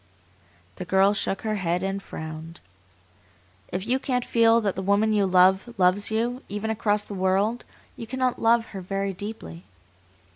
'" The girl shook her head and frowned. "If you can't feel that the woman you love loves you, even across the world, you cannot love her very deeply."